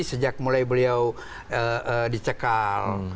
sejak mulai beliau dicekal